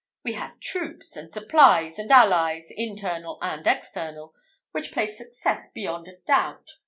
We have troops, and supplies, and allies, internal and external, which place success beyond a doubt.